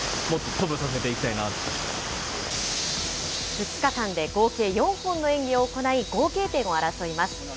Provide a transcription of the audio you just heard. ２日間で合計４本の演技を行い、合計点を争います。